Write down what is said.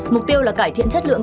mục tiêu là cải thiện chất lượng